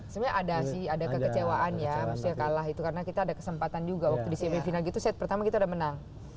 sebenarnya ada sih ada kekecewaan ya maksudnya kalah itu karena kita ada kesempatan juga waktu di semifinal gitu set pertama kita udah menang